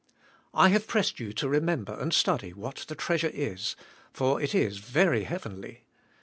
I have pressed you to remember and study what the treas ure is, for it is very heavenly.